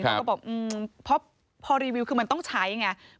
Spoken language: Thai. เขาก็บอกพอรีวิวคือมันต้องใช้อย่างไร